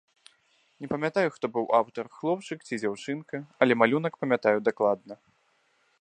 Не памятаю, хто быў аўтар, хлопчык ці дзяўчынка, але малюнак памятаю дакладна.